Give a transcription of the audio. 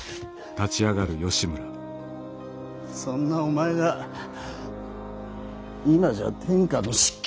そんなお前が今じゃ天下の執権。